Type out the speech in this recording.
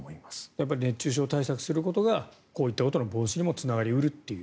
やっぱり熱中症対策をすることがこういったことの防止にもつながりうると。